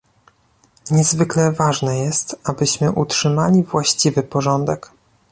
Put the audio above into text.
Niezwykle ważne jest, abyśmy utrzymali właściwy porządek